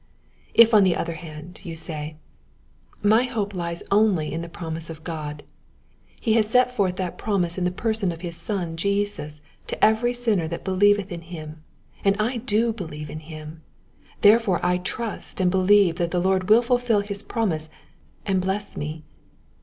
If, on the other hand, you say, —^^ My hope lies only in the promise of God. He has set forth that promise in the person of his Son Jesus to every sin ner that believeth in him ; and I do believe in him ; therefore I trust and believe that the Lord will ful fil his promise and bless me.